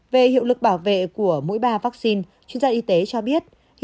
về hiệu lực bảo vệ của mỗi ba vaccine chuyên gia y tế cho biết